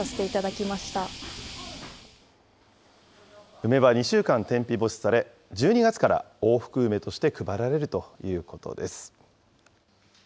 梅は２週間天日干しされ、１２月から大福梅として配られるということです。